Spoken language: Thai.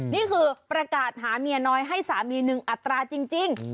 นี่คือประกาศหาเมียน้อยให้สามีหนึ่งอัตราจริง